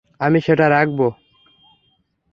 আমি সেটা রাখব।